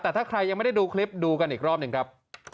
แต่ถ้าใครยังไม่ได้ดูคลิปดูกันอีกรอบหนึ่งครับ